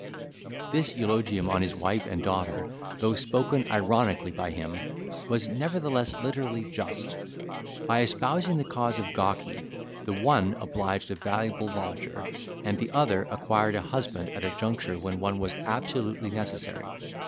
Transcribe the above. This eulogium on his wife and daughter, though spoken ironically by him, was nevertheless literally just; by espousing the cause of Gawky, the one obliged a valuable lodger, and the other acquired a husband at a juncture when one was absolutely necessary.